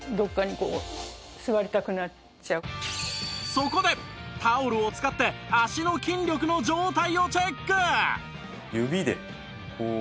そこでタオルを使って足の筋力の状態をチェック！